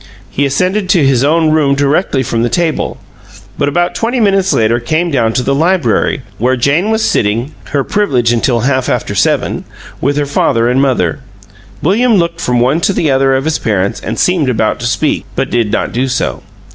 He ascended to his own room directly from the table, but about twenty minutes later came down to the library, where Jane was sitting (her privilege until half after seven) with her father and mother. William looked from one to the other of his parents and seemed about to speak, but did not do so.